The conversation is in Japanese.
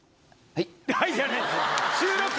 はい？